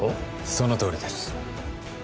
そのとおりです